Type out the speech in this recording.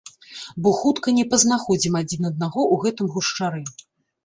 Бо хутка не пазнаходзім адзін аднаго ў гэтым гушчары.